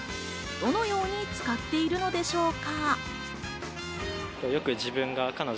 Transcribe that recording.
どのように使っているのでしょうか？